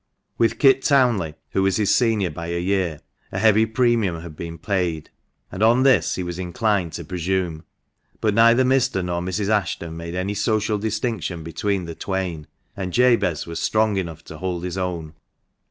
With Kit Townley, who was his senior by a year, a heavy premium had been paid, and on this he was inclined to presume. But neither Mr. nor Mrs. Ashton made any social distinction between the twain, and Jabez was strong enough to hold his own.